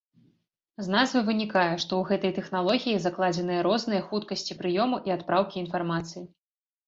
З назвы вынікае, што ў гэтай тэхналогіі закладзеныя розныя хуткасці прыёму і адпраўкі інфармацыі.